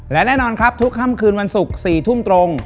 และแน่นอนครับทุกค่ำคืนวันศุกร์๔ทุ่มตรง